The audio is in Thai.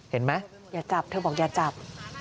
เห็นไหมอย่าจับเธอบอกอย่าจับ